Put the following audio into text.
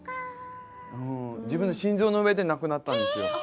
自分の心臓の上で亡くなったんですよ。